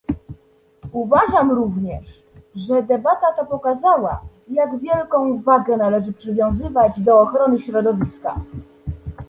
Uważam również, że debata ta pokazała, jak wielką wagę należy przywiązywać do ochrony środowiska